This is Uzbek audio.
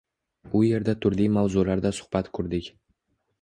U yerda turli mavzularda suhbat qurdik.